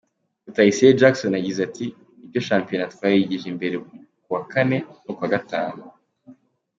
Rutayisire Jackson yagize ati: “Ni byo shampiyona twayigije imbere kuwa kane no kuwa gatanu.